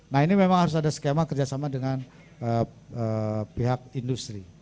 nah ini memang harus ada skema kerjasama dengan pihak industri